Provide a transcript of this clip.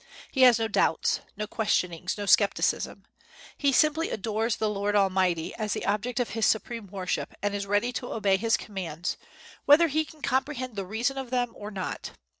He has no doubts, no questionings, no scepticism. He simply adores the Lord Almighty, as the object of his supreme worship, and is ready to obey His commands, whether he can comprehend the reason of them or not.